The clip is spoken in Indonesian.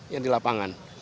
yang di lapangan